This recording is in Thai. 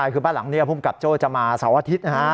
คือบ้านหลังเนี่ยผู้กับโจ้จะมาเซ้าอาทิตย์นะฮะ